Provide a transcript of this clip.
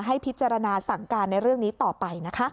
ให้พิจารณาสั่งการในเรื่องนี้ต่อไปนะคะ